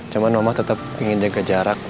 cuman mama tetep ingin jaga jarak